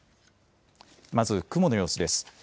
まず雲の様子です。